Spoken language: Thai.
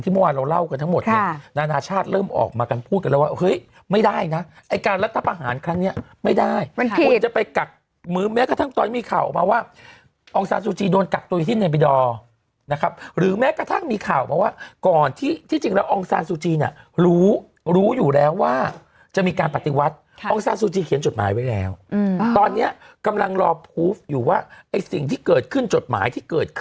ไม่ได้นะการระตับอาหารครั้งนี้ไม่ได้คุณจะไปกักมื้อแม้กระทั่งตอนนี้มีข่าวออกมาว่าองศาสุจีย์โดนกักตัวอยู่ที่นายมีดอหรือแม้กระทั่งมีข่าวออกมาว่าก่อนที่จริงแล้วองศาสุจีย์รู้อยู่แล้วว่าจะมีการปฏิวัติองศาสุจีย์เขียนจดหมายไว้แล้วตอนนี้กำลังรอพูฟอยู่ว่าสิ่งที่เกิดขึ้นจดหมายท